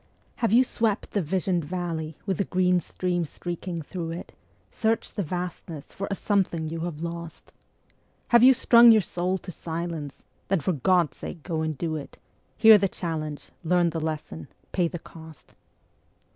Have you swept the visioned valley with the green stream streaking through it, Searched the Vastness for a something you have lost? Have you strung your soul to silence? Then for God's sake go and do it; Hear the challenge, learn the lesson, pay the cost.